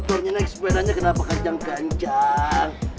naek motornya naek sepedanya kenapa kanjang kanjang